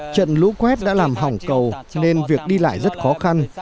trận lũ quét đã làm hỏng cầu nên việc đi lại rất khó khăn